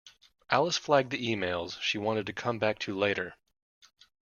Alice flagged the emails she wanted to come back to later